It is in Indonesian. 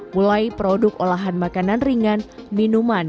mulai produk olahan makanan ringan minuman